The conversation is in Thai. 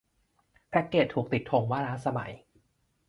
แพ็กเกจถูกติดธงว่าล้าสมัย